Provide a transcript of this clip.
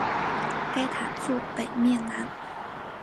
该塔座北面南。